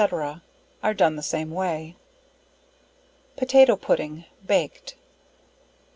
_ Are done the same way. Potato Pudding. Baked. No.